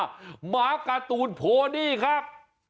หมาการ์ตูนโพดีครับ